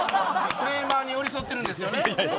クレーマーに寄り添ってるんですよね？